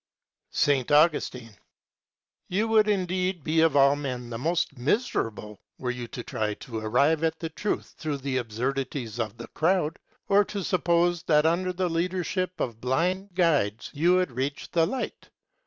S. Augustine. You would indeed be of all men the most miserable were you to try to arrive at the truth through the absurdities of the crowd, or to suppose that under the leadership of blind guides you would reach the light.